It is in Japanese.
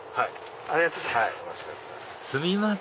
ありがとうございます！